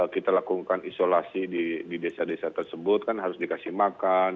kita lakukan isolasi di desa desa tersebut kan harus dikasih makan